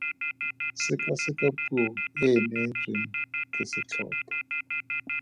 Sekaseka puo e e neetsweng ke setlhopha.